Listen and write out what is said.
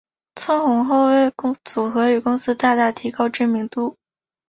窜红后为组合与公司大大提高知名度。